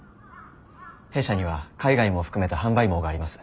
弊社には海外も含めた販売網があります。